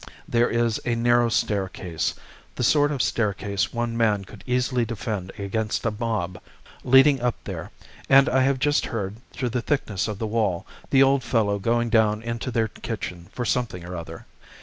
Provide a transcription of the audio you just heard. There is a narrow staircase, the sort of staircase one man could easily defend against a mob, leading up there, and I have just heard, through the thickness of the wall, the old fellow going down into their kitchen for something or other.